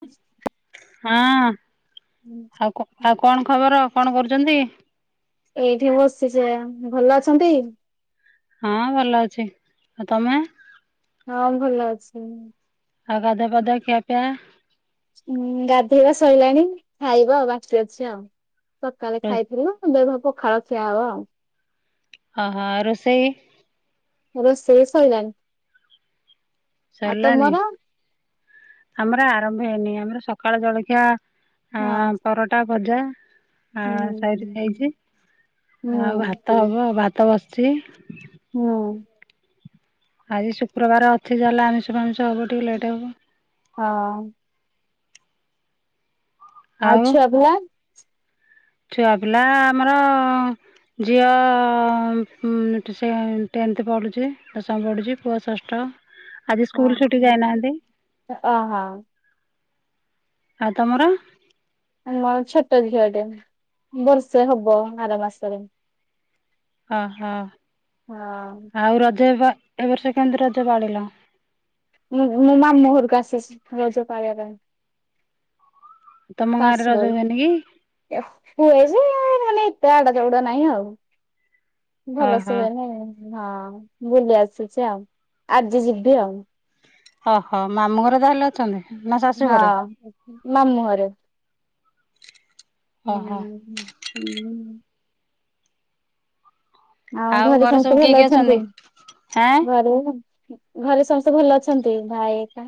ହ ହଁ ଆଉ ଆଉ କଣ ଖବର କଣ କରୁଛନ୍ତି। ଏଇଠି ବସିଛ ଭଲ ଅଛନ୍ତି। ହଁ ଭଲ ଅଛି ଆଉ ତମେ ହଁ ଭଲ ଅଛି। ଆଉ ଗାଧୁଆ ପାଧୁଆ ଖିଆ ପିଆ ଉଁ ଗାଧେଇବା ସଇଲାଣି ଖାଇବ ଆଉ ବାକି ଅଛି ଆଉ ସକାଳେ ଖାଇଥିଲୁ। ଦେ ଭ ପ ଖାଳ ଖିଆ ହବ ଆଉ। ଓହଁ ରୋଷେଇ। ରୋଶାଇ ସଇଲାନି ସରିଲାନି ଆମର ଆରମ୍ଭ ହେଇନି ଆମର ସକାଳ ଜଳଖିଆ। ହଁ ପରଅଟା ଭଜା ହଁ ହୁଁ ସେଇଠି ହେଇଛି ଆଉ ହୁଁ ଭାତ ହବ ଭାତ ବସିଛି। ହୁଁ ଆଜି ଶୁକ୍ରବାର ଅଛି ଯହେଲେ ଆମିଷ ଫମିଷ ହବ ଟିକେ ଲେଟ୍ ହବ ହଁ ଆଉ ଛୁଆ ପିଲା। ଛୁଆ ପିଲା ଆମର ଝିଅ ଟେନ୍ଥ ପଢ଼ୁଛି ଦଶମ ପଢ଼ୁଛି ପୁଅ ଷଷ୍ଠ। ଆଜି ହ ସ୍କୁଲ୍ ଛୁଟି ଯାଇନାହାନ୍ତି ଅ ହଁ ଆଉ ତମର ଆମ ଛୋଟ ଝିଅ ଟେ ବର୍ଷେ ହବ ଆର ମାସରେ ହ ହଁ ହଁ ଆଉ ରଜ ଏବଏ ବର୍ଷ କେମିତି ରଜ ପାଳିଲ। ମଁ ମ ମୁ ଘରକୁ ଆସିଛି ରଜ ପାଳିବା ପାଇଁ। ତୁମ ଗାଁରେ କାସ ରଜ ହୁଏନି କି ହୁଏ ଯେ ମାନେ ଏତେ ଆଡା ଚଉଡା ନାଇଁ ଆଉ। ଭଲସେ ଓହୋ ହୁଏ ନାଇଁ ହଁ ବୁଲି ଆସୁଛି ଆଉ ଆଜି ଯିବି ଆଉ। ଓହୋ ମାମୁଁ ଘର ତାହେଲେ ଅଛନ୍ତି। ନା ଶାଶୁ ଘରେ ହଁ ମାମୁଁ ହଁରେ ହୁଁ ଓହୋ ହୁଁ ଆଉ ଘରେ ସମସ୍ତେ ଭଲ ଅଛନ୍ତି ହେଁ ଘରେ। ଘରେ ସମସ୍ତେ ଭଲ ଅଛନ୍ତି ଭାଇ କା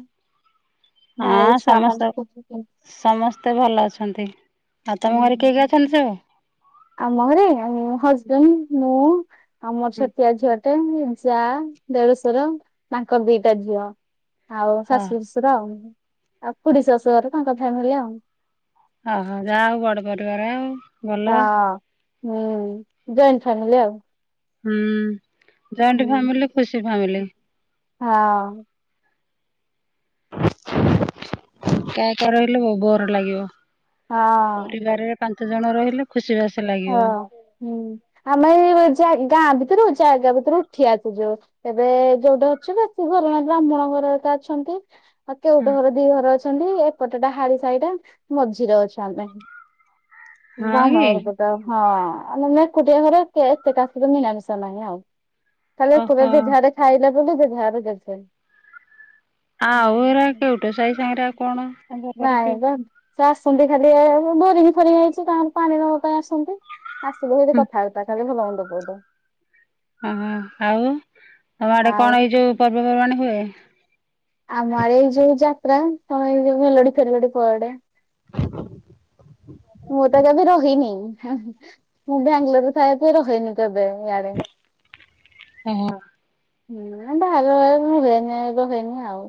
ନାଁ ଏଇ ହଁ ଛୁଆ ମାନେ ସମସ୍ତେ [unintelligible] ସମସ୍ତେ ଭଲ ଅଛନ୍ତି ଆଉ ତମ ଘରେ କିଏ କିଏ ଅଛନ୍ତି ସଉ। ଆମ ଘରେ ଆମ ହଜବେଣ୍ଡ ମୁଁ ଆମର ଛାତିଆ ଝିଅ ଗୋଟେ ଉ ଯା ଦେଢଶୁର ତାଙ୍କର ଦିଟା ଝିଅ ଆଉ ଶାଶୁ ହଁ ଶଶ ସୁର ଆଉ ଆଉ ଖୁଡଶାଶୁ ଘରେ ତାଙ୍କ ଫ୍ୟାମିଲି ଆଉ। ଓହୋ ଯାହା ହଉ ବଡ ପରିବାର ଆଉ। ଭଲ ହଁ ହୁଁ ଜଏଣ୍ଟ ଫାମିଲି ଆଉ। ହୁଁ ଜଏଣ୍ଟ ଫ୍ୟାମିଲି ଖୁସି ଫ୍ୟାମିଲି ହଁ ଆଉ [unintelligible] କା କରହଲେ ବ ବୋର ଲାଗିବ ହଁ ପରିବାରରେ ପାଞ୍ଚ ଜଣ ରହିଲେ ଖୁସି ବାସୀ ହଁ ଲାଗିବ। ହୁଁ ଆମେ ଏଇ ଜା ଗାଁ ଭିତରୁ ଜାଗା ଭିତରୁ ଉଠି ଆସୁ ଯୋଉ ଏବେ ଯୋଉଟା ଅଛି ବେଶୀ ଘରଣା ବ୍ରାହ୍ମଣଙ୍କର ତ ଅଛନ୍ତି। ଆଉ କେ ଗୋଟେ ଘର ଦି ଘର ଅଛନ୍ତି। ପଟଟା ହାର ସାଇର ମଝିରେ ଅଛ ଆମ ହଁ କି? [unintelligible] ତ ହଁ ଆମେ ମାନେ ଏକୁଟିଆ ଘର ସେ ଏତେ କାସହିତ ମୀଳାମିଶା ନାହିଁ ଆଉ। ତାହେଲେ ଓହୋ [unintelligible] କି ଝାଡ଼େ ଖାଇଲା ବୋଲି ଯେ ଝାଡ଼େ ଗଛ। ଆଉ ଏରା କେଉଠୁ ସାହି ସାଙ୍ଗରେ ଆଉ କଣ? ନାଇଁ ରଖିବ? ବା ସେ ଆସନ୍ତି ଖାଲି ଏ ବୋରିଙ୍ଗି ଫୋରିଙ୍ଗ ଯାଇଛି କା ପାଣିର ପାଇଁ ଆସୁ ସେମିତି ଆସିଲେ ଯଦି କଥାବାର୍ତ୍ତା ଖାଲି ଭଲ ହୁଅନ୍ତୁ ବୋଉଟ ଓହୋ ଆଉ ତମ ଆଡେ ଆଉ କଣ ଏଇ ଯୋଉ ପର୍ବପର୍ବାଣି ହୁଏ? ଆମ ଆଡେ ଏଇ ଯୋଉ ଯାତ୍ରା ତମେ ଏଇ ଯୋଉ ମେଲଡି ଫେଲଡି ପଆଡେ ମୁଁ ତ କେବେ ରହିନି ମୁଁ ବାଙ୍ଗାଲୋରରେ ଥାଏ ରହିନି କେବେ? ଓ ହ ହଁ ବାହାର ହୁଏନି ଏବେ ହୁଏନି ଆଉ।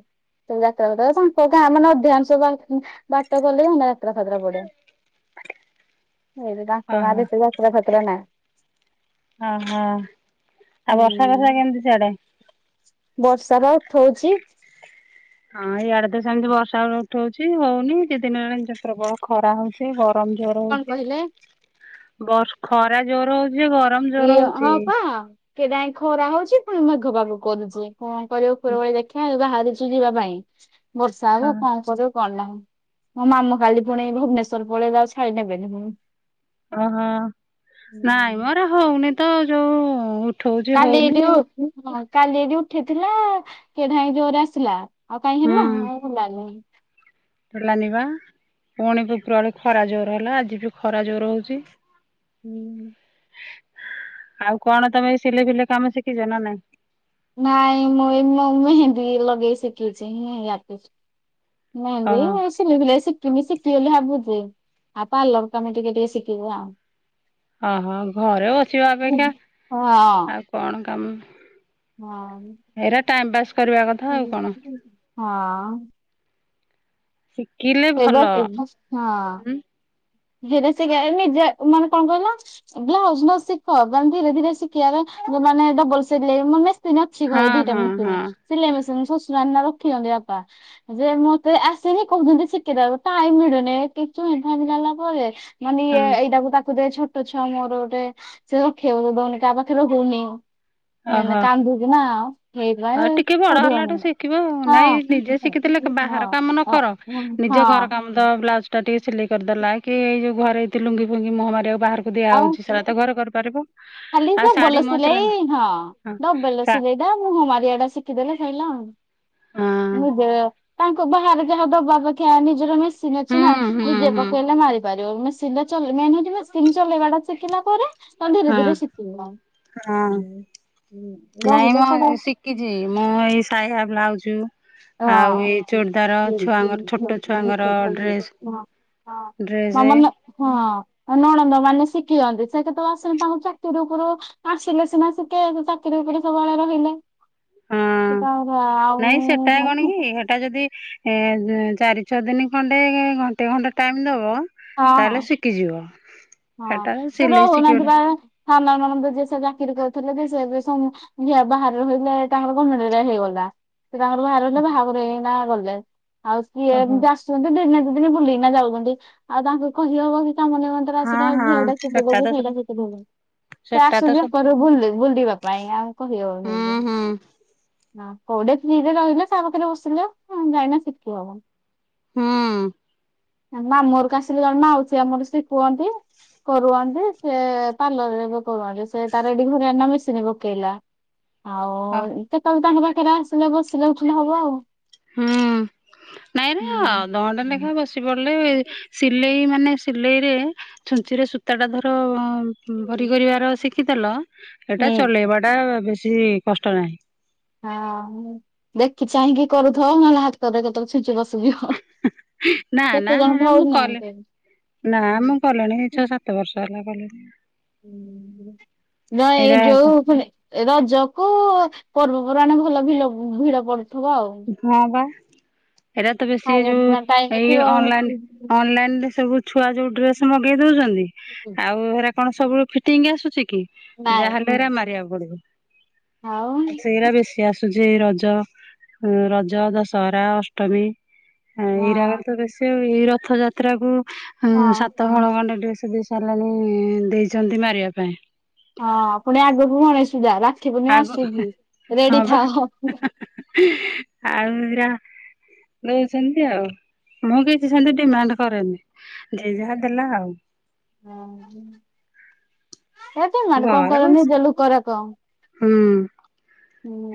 ଯାତ୍ରା ସା [unintelligible] କାଁ ମାନେ ଅଧ୍ୟାଂଶ ବାଟ କଲେ। [unintelligible] ଏରା ଖେଦର୍ ପଡିଆ? ଏଇଠି ତାଙ୍କ ଓହୋ ଗାଁରେ ଏତେ ଯାତ୍ରା ଫାତରା ନାହିଁ। ହଁ ଆଉ ବର୍ଷା ବର୍ଷା ହୁଁ କେମିତି ସିଆଡେ? ବର୍ଷା ର ଅର୍ଥ ହଉଛି ହଁ ଏଇଆଡେ ତ ସେମିତି ବର୍ଷା ବେଳ ଉଠଉଛି ହଉନି ଦି ଦିନ ହେଲା ଏ ଯତ୍ର ବ ଖରା ହଉଛି। ଗରମ ଜୋର କଣ ହଉଛି କହିଲେ ବର୍ ଖରା ଜୋର ହଉଛି ଯେ ଗ ଇଏ ହଁ ପା। କେଯାଏ ଖରା ହଉଛି ପୁଣି ମେଘ ପାଗ କରୁଛି କଣ କରିବ ଖରା ଭଳି ଦେଖିବା ଯାହା ବାଛି। ଯିବା ପାଇଁ ବର୍ଷା ହଁ ହବ କଣ କରିବ? କଣ ନାଁ ମୋ ମାମୁ କାଲି ପୁଣି ଭୁବନେଶ୍ଵର ପଳେଇ ଆଉ ଛାଡି ନେବେନି ପୁଣି। ଓହୋ ନାଇଁ ମୋର ହଉନି ତ ଯୋଉ ଉଠଉଛି କାଲି ହଉନି ଏଠ ଆଉ କାଲି ଏଠ ଉଠେଇଥିଲା କେ ନାଇ ଜୋରେ [unintelligible] ଆଉ କାଇହିଁ ହେଲା ଆଉ ହେଲାନି। ଲାନିବା ପୁଣି କୁକୁଳି ଖରା ଜୋର ହେଲା ଆଜି ବି ଖରା ଜୋର ହଉଛି। ହୁଁ। ଆଉ କଣ ତମେ ସିଲେଇ ଫିଲେଇ କାମ ଶିଖିଛ ନା ନାହିଁ? ନାଇଁ ମୁଁ ଏ ମେହେନ୍ଦୀ ଲଗେଇ ଶିଖିଛି [unintelligible] ମେହେନ୍ଦି ଓହୋ। ଧୀରେ ଧୀରେ ଶିଖବି ଶିଖି [unintelligible] ଆଗକୁ ଆଉ ପାରଲର କାମ ଟିକେ ଟିକେ ଶିଖି [unintelligible] ଓହୋ ଘରେ ବସିବା ଅପେକ୍ଷା ହଁ ଆଉ କଣ କାମ? ହଁ। ଏଇରା ଟାଇମ ପାସ୍ କରିବା କ ହଁ। ଶିଖିଲେ ସେ ବା ଭଲ। ବା- ହଁ ହେର ସେ ନିଜେ ମାନେ କଣ କହିଲ? ବ୍ଲାଉଜ ନ ଶିଖ ମାନେ ଧୀରେ ଧୀରେ ଶିଖିବାରେ ଡବଲ ସିଲେଇ ମାନେ ମେସିନ ଅଛି ହଁ ଘରେ ଦିଟା ହଁ ହଁ ମେସିନି ସିଲେଇ ମେସିନ ଶଶୁର ରଖିଛନ୍ତି ବାପା। ଯେ ମତେ ଆସନି କହୁଛନ୍ତି ଶିଖେଇ ଦେବାକୁ ଟାଇମ ମିଳୁନି [unintelligible] ମାନେ ଇଏ ହଁ ଏଇଟା ତାକୁ ଦେ ଛୋଟ ଛୋଟ ଛୁଆ ମୋର ଗୋଟେ ସେ ରଖେଇବାକୁ ଦଉନି କାହା ପାଖରେ ରହୁନି। ନାଇଁ ନା ଓହୋ କାନ୍ଦୁଛି ନା ସେଇଥିପାଇଁ ଆଉ ଟିକେ ବଡ କରିହଉନି। ହେଲାଠୁ ଶିଖିବ ଆଉ ହଁ ନାଇଁ ନିଜେ ଶିଖିଥିଲେ ହଁ ବାହାର କାମ ନ ଅ, କର ନିଜ ଘର ହଁ। କାମ ଦ ବ୍ଲାଉଜ ଟିକେ ସିଲେଇ କରିଦେଲା କି ଏଇ ଯୋଉ ଘରେ ଲୁଙ୍ଗି ଫୁଙ୍ଗି ମୁହମାରିବାକୁ ବାହାରକୁ ଦିଆ ଆଉ ଦିଆଯାଉଛି ସେରା ତ ଘରେ କରିପାରିବ। ଖାଲି ଆଉ ଶାଢୀ ଡବଲ ମୋ ସିଲେଇ ହଁ ହଁ ଡବଲ ସା ସିଲେଇ ଏଟା ମୁହଁ ମାରିବା ଟା ଶିଖିଦେଲେ ସଇଲା ହଁ ନିଜେ ତାଙ୍କୁ ବାହାରେ ଯାହା ଦବା ଅପେକ୍ଷା ନିଜର ମେସିନ୍ ଅଛି ହୁଁ ନା ହୁଁ ନିଜେ ହୁଁ ପକେଇଲେ ମାରିପାରିବ ମେସି ମେନ ହଉଛି ମେସିନ ଚଲେଇବା ଟା ଶିଖିଲା ପରେ ତ ଧୀରେ ହଁ ଧୀରେ ହଁ [unintelligible] ନାହିନେ କଣ? କିଛି ମୁଁ ଏଇ ସାଇଆ ବ୍ଲାଉଜ ହଁ। ଆଉ ଏଇ ଚୁଡଦାର ଛୁଆ ଛୋଟ ଛୁଆଙ୍କର ଡ୍ରେସ ଡ୍ରେସ ମାନ ହଁ ନଣନ୍ଦ ମାନେ ଶିଖିଛନ୍ତି ସେ [unintelligible] ଆସନ୍ତି ତାଙ୍କ ଚାକିରି ଉପରୁ ଆସିଲେ ସିନା ଟିକେ ଚାକିରି ଓପରେ ସବୁବେଳେ ରହିଲେ ହଁ ଆଉ ନାଇଁ ସେଟା [unintelligible] କଣ କି ସେଟା ଯଦି ଏ ଚାରି ଛଅ ଦିନ ଖଣ୍ଡେ ଘଣ୍ଟେ ଘଣ୍ଟେ ଟାଇମ ଦବ ତାହେଲେ ହଁ। ଶିଖିଯିବ। ହଁ ସେଟା ସେ ସିଲେଇ ଶିଖିବ ରହୁନାହାନ୍ତି ବା ଏବେ ସାନ ନଣନ୍ଦ ଯିଏ ସେ ଚାକିରି କରୁଥିଲେ ସେ [unintelligible] ବାହାରେ ରହିକିନା ତାଙ୍କର ଗମେଣ୍ଟ ରେ ହେଇଗଲା। ସେ ତାଙ୍କର ବାହାର ହେଲେ ବାହାଘର ହେଇ ଗଲେ ଆଉ ସିଏ ଓହୋ। ଏମିତି ଆସ ଦିନେ ଦି ଦିନ ବୁଲିକିନା ଯାଉଛନ୍ତି ଆଉ ତାଙ୍କୁ କହିହବ କି କାମ ନିମନ୍ତ୍ର ହେ ହଁ ଆଜି ହଁ ଏଇ ଟା ସେଟା ତ [unintelligible] ସେ ସେଟା ତ ଆସୁଛି ସତ ଅକରୁ ବୁଲି ବୁଲିବା ପାଇଁ ଆଉ କହିିବଉନି ହୁଁ ହୁଁ କୋଉଠେ ଫ୍ରୀରେ ରହିଲେ ତା ପାଖରେ ବସିଲେ ଯାଇକିନା ଶିଖି ହବ। ହୁଁ। ମାମୁଁ ଘରକୁ ଆସିଲେ ଜଣେ ମାଉସୀ ଆମଠୁ ଶିଖୁଅନ୍ତି। କରୁଛନ୍ତି ସେ ପାର୍ଲର ରେ ବି କରୁଛନ୍ତି ସେ ତାର ଏଇଡି ଘରେ ଅନ୍ ଲା ମେସିନ୍ ପକେଇଲା। ଆଉ କେତେବେଳେ ତାଙ୍କ ପାଖରେ ଆସିଲେ ବସିଲେ ଉଠିଲେ ହବ ଆଉ। ହୁଁ ନାଇଁରା ହୁଁ ଅଧଘଣ୍ଟା ଲେଖା ବସି ପଡିଲେ ସିଲେଇ ମାନେ ସିଲେଇରେ ଛୁଞ୍ଚିରେ ସୂତାଟା ଧର ଭରି ହୁଁ କରିବାର ଶିଖିଦେଲ ଏଇଟା ଚଲେଇବା ଟା ବେଶୀ କଷ୍ଟ ନାହିଁ। ହଁ ଦେଖି ଚାହିଁକି କରୁଥିବ ନହେଲେ ହାତ ରେ କେତେବେଳେ ଛୁଞ୍ଚି ପଶି ନା ନା ଆରେ ମୁଁ କଲି କରୁନାହାନ୍ତି। ନା ମୁଁ କଲିଣି ଛ ସାତ ସତ ବର୍ଷ ହେଲା କଲିନି। ନ ଏ ଏଇଟା ଯଉ ଏ ରଜକୁ ପର୍ବପର୍ବାଣ ଭଲ ଭ ଭିଡ ପଡୁଥିବ ଆଉ। ହଁ ବା ଏଇଟା ତ ବେଶୀ ଖାଇବା ଯୋଉ ପିଇବା ଟାଇମ୍ ଏଇ ଥିବ ଅନଲାଇନ ଅନଲାଇନ ରେ ସବୁ ଛୁଆ ଯୋଉ ଡ୍ରେସ ମଗେଇ ଦଉଛନ୍ତି ଆଉ ହେରା କଣ ସବୁ ଫିଟିଙ୍ଗ ଆସୁଛି କି। ନାଇଁ। ଯାହାଲେ ଏରା ମାରିବାକୁ ଆଉ ପଡିବ ସେଇା ବେଶୀ ଆସୁଛି ଏଇ ରଜ ହଁ ରଜ ଦଶହରା ଅଷ୍ଟମୀ ଏଇ ହଁ ରାରେ ତ ବେଶୀ। ସେ ଏଇ ରଥ ଯାତ୍ରା କୁ ଉ ହଁ ସାତ ହଳ ଗଣ୍ଡେ ଡ୍ରେସ ଦେଇ ହେ ଲାଣି ଦେଇଛନ୍ତି ମାରିବା ପାଇଁ। ହଁ ପୁଣି ଆଗକୁ ଗଣେଇ ସୁ ଯା ରାକ୍ଷିବୁନି ମା ଆଗ ଆଶୁଚି ରେଡି ଥାଅ। ଆଉୁର। ଦଉଛନ୍ତି ଆଉ ମୁଁ କିଛି ସେମିତି ଡିମାଣ୍ଡ କରେନି। ଜେ ଯାହା ଦେଲା ଆଉ। ହଁ ଏ ଡି ମାଡ କଣ ଘରେ କରନି ଏ ବସି ଜ ଲୋ କ ର କ। ହୁଁ।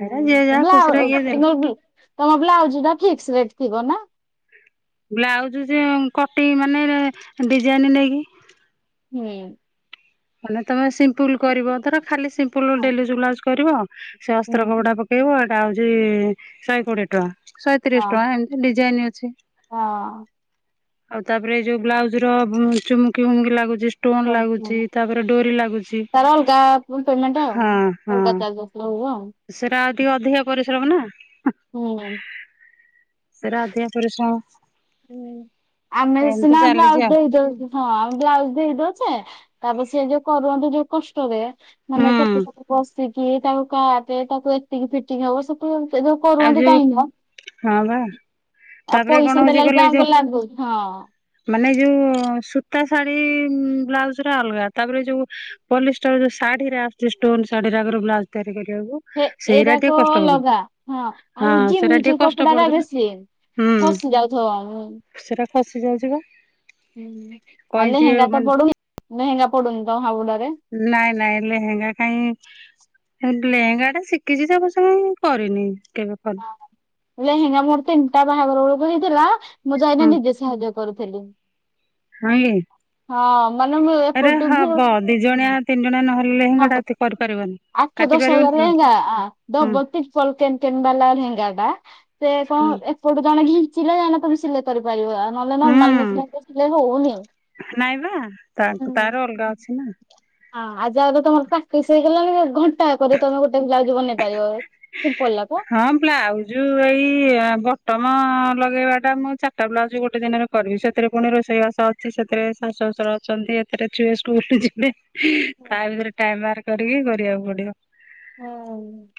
ହେରା ଯିଏ ଯାହା ଖୁସିରେ କିଏ ଦେଲା [unintelligible] ତମ ବ୍ଲାଉଜ ଟା ଫିକ୍ସ ରେଟ ଥିବ ନା। ବ୍ଲାଉଜ ଯେ କଟି ମାନେ ଡିଜାଇନ ନେଇକି। ହୁଁ। ମାନେ ତମେ ସିମ୍ପୁଲ କରିବ ଧର ଖାଲି ସିମ୍ପଲ ଡେଲିଜୁ ବ୍ଲାଉଜ୍ କରିବ ସେ ଅସ୍ତ୍ର କପଡା ହୁଁ କଇବ ଏଟା ହଉଛି ଶହେ କୋଡିଏ ଟଙ୍କା ଶହେତିରିଶ ଟଙ୍କା ଏମିତି ଡିଜାଇନ ଅଛି। ହଁ। ଆଉ ତାପରେ ଏଇ ଯୋଉ ବ୍ଲାଉଜ ର ଚୁମକି ହୁମକି ଲାଗୁଛି ଷ୍ଟୋନ ହଁ ଲାଗୁଛି। ତାପରେ ଡୋରି ଲାଗୁଛି ତାର ଅଲଗା ପେମେଣ୍ଟ ଆଉ ହଁ ହଁ। ଅଲଗା ଚାର୍ଜେସ୍ ରହିବ ଆଉ ସେରା ଆଉ ଟିକେ ଅଧିକ ପରିଶ୍ରମ ନା। ହୁଁ। ସେରା ଅଧିକ ପରିଶ୍ରମ। ହୁଁ ଆମେ ଏମିତି ସିନା ଚାଲିଛି ବ୍ଲାଉଜ୍ ଆଉ ଦେଇଦଉଛୁ। ହଁ ଆମ ବ୍ଲାଉଜ ଦେଇଦଉଛେ ତାପରେ ସେଏ ଯୋଉ କରନ୍ତୁ ଯୋଉ କଷ୍ଟରେ। ମାନେ ହୁଁ କେତେ ସେତେ ବସିକି ତାକୁ କା ଟେ ତାକୁ ଏତିକି ଫି ଏତିକି ହବ ଯୋଉ ସେ ଯୋଉ ଆଉ କରୁହନ୍ତି ଯୋଉ ଟାଇ ଆଉ ହଁ ବା ଆ ତାପରେ ପଇସା। ସେତେବେ କଣ ହଉଛି ବଳ କହିଲେ କଣ ଯୋଉ କିଲଣି ବ ହଁ ମାନେ ଯୋଉ ସୁୂତା ଶାଢୀ ବ୍ଲାଉଜରେ ଅଲଗା ତାପରେ ଯୋଉ ପଲିଷ୍ଟର ଯଉ ଶଢୀରେ ଆସୁଛି ଷ୍ଟୋନ ଶାଢୀରେ ଆଗରେ ବ୍ଲାଉଜ ତିଆରି କରିବାକୁ। ହେ ସେଇରା ଟିକେ ଏଇଟାକୁ କଷ୍ଟ ପଡୁଛି ଲଗା। ହଁ ହଁ ଆଉ ସେଇଟା ଜିମିଚ ଟିକେ କଷ୍ଟ କପଡା ଟା ପଡୁଛି ନା ବେଶ ହସି ଯାଉଥିବ ଆ। ସେରା ଖସି ଯାଉଛିିବା। ହୁଁ ଆଉ ଲେହେଙ୍ଗା ତ ମାନେ ପଡୁନି ଲେହେଙ୍ଗା ପଡୁନି ତ ହାବୁଡରେ। ନାଇଁ ନାଇଁ ଲେହେଙ୍ଗା କାଇଁ। ଲେହେଙ୍ଗା ଟା ଶିଖିଛି ଯେ ମୁଂସେମିତି ସେ କରିନି କେବେ କ ଲେହେଙ୍ଗା ମୋର ତିନିଟା ବାହାଘର ବେଳକୁ ହେଇଥିଲା ମୁଁ ଯାଇନା ହଁ ନିଜେ ସାହାଯ୍ୟ କରୁଥିଲି। ହଂ କି। ହଁ ମାନେ ମୁଁ ଏପଟୁ ତିନ ଜଣିଆ ହବ ନହଲେ [unintelligible] ଆଠ ଦଶ ହଜାର ଲେହେଙ୍ଗା ଆ ହୁଁ ଡବଲ ତ୍ରିପଲ୍ କେନ କେନ୍ ବାଲା ଲେହେଙ୍ଗା ଟା ସେ ହୁଁ କଣ ଏପଟୁ ଜଣେ ଘିଞ୍ଚିଲେ ଜାଇକିନା ତମ ସିଲେ କରିପାରିବ ନହେଲେ ନର୍ମାଲ ହୁଁ ମେସିନ ରେ ସିଲେଇ ହଉନି। ନାଇଁ ବା ତା ହୁଁ। ତାର ଅଲଗା ଅଛି ନା। ହଁ ଆଜି ଆ ତମର ପ୍ରାକ୍ଟିସ ହେଇଗଲାଣି ଘଣ୍ଟାଏ କରି ତମେ ଗୋଟେ ବ୍ଲାଉଜ ବନେଇ ପାରିବ ଏବେ। ହଁ ବ୍ଲାଉଜ। ଯୋଉ ଏଇ ବଟମ ଲଗେଇବା ଟା ମୁଁ ଚାରିଟା ବ୍ଲାଉଜ ଗୋଟେ ଦିନରେ ଲ କରିବି ସେଥିରେ ପୁଣି ରୋଷେଇ ବାସ ଅଛି ସେଥିରେ ଶାଶୁ ଶଶୁର ଅଛନ୍ତି ଏଥିରେ ଛୁଏ ସ୍କୁଲୁ ଯିବେ। ତା ଭିତରେ ଟାଇମ ବାହାର କରିକି କରିବାକୁ ପଡିବ। ହୁଁ।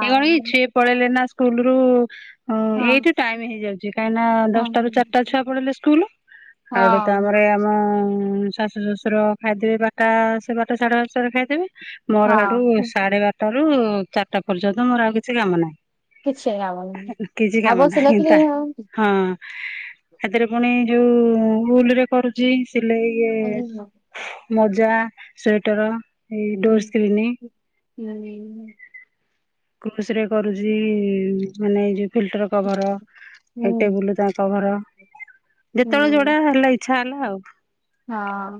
[unintelligible] ସିଏ ପଳେଇଲେନା ସ୍କୁଲରୁ ହ ଏଇଠି ଟାଇମ ହେଇଯାଉଚି କାହିଁକ ନା ହଁ ଦଶଟାରୁ ଚାରିଟା ଛୁଆ ପଳେଇଲେ ସ୍କୁଲ ଆଉ ହୁଏତ ହଁ ଆମର ଏ ଆମ ଅ ଶାଶୁ ଶ୍ୱଶୁର ଖାଇଦେବେ ବାରଟା ସେ ବାରଟା ସାଢେ ବାରଟାରେ ଖାଇଦେବେ ମୋର ହେଠୁ ହଁ ସାଢେ ବାରଟା ଟାରୁ ଚାରିଟା ପର୍ଯ୍ୟନ୍ତ ମୋର ଆଉ କିଛି କାମ କିଛି ଲାଭ ନାହିଁ। ନାହିଁ। କିଛି ଆଉ କାମ ବସିଲେ ନାହିଁ କିଏ ତା ହଁ। ହେଥିରେ ପୁଣି ଯୋଉ ଉ ଉଲରେ କରୁଚି ସିଲେଇ ଇଏ [unintelligible] ମୋଜା ସୁଇଟର। [unintelligible] କୃସରେ କରୁଚି ମାନେ ଏଇ ଯୋଉ ଫିଲ୍ଟର କଭର ଏ ହୁଁ। ଟେବୁଲ ତା କଭର। ଯେତେବେଳେ ହୁଁ ଜଉଟା ହେଲା ଇଚ୍ଛା ହେଲା ଆଉ,। ହଁ ଅଁ।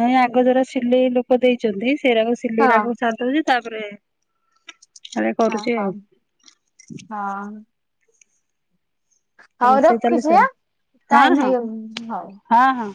ନାଇଁ ଆଗ ଯଉରା ସିଲେଇ ଲୋକ ଦେଇଛନ୍ତି ସେଇରାକୁ ହଁ ସିଲେଇରାକୁ ସାରିଦଉଚି ତାପରେ ସାରେ। ହଁ ହ ହଁ। ହଉ ରଖୁଛି ଆ ଟାଇମ ହେଇ ଗ ହଉ ଆ ହଁ।